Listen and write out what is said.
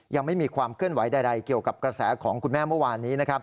ยังไม่มีความเคลื่อนไหวใดเกี่ยวกับกระแสของคุณแม่เมื่อวานนี้นะครับ